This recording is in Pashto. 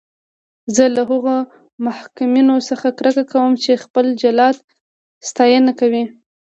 زه له هغو محکومینو څخه کرکه کوم چې خپل جلاد ستاینه کوي.